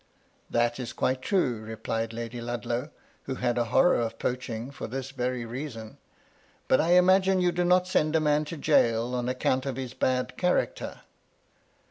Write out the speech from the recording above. "That is quite true," replied Lady Ludlow (who had a horror of poaching for this very reason) :" but I imagine you do not send a man to gaol on account of his bad character."